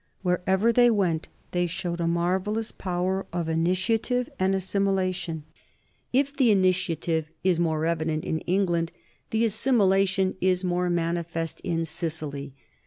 Wherever they went, they showed a mar vellous power of initiative and of assimilation; if the initiative is more evident in England, the assimilation is more manifest in Sicily.